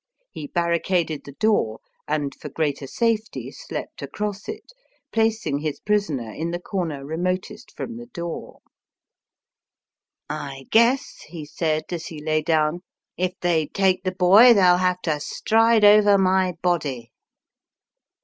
He barricaded the door, and for greater safety slept across it, placing his prisoner in the comer remotest from the door. *^I guess,'' he said, as he lay down, "if they take the boy they'll have to stride over my body."